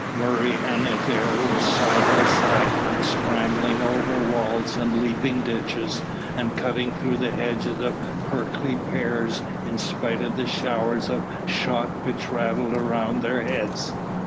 Murray and Adair were side by side, scrambling over walls and leaping ditches, and cutting through hedges of prickly pears in spite of the showers of shot which rattled round their heads.